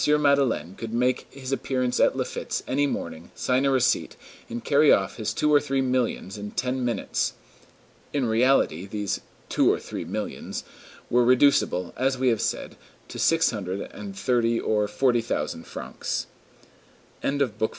Madeleine could make his appearance at Laffitte's any morning, sign a receipt, and carry off his two or three millions in ten minutes. In reality, "these two or three millions" were reducible, as we have said, to six hundred and thirty or forty thousand francs. CHAPTER IV—M.